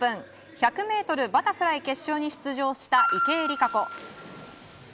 １００ｍバタフライ決勝に出場した池江璃花子。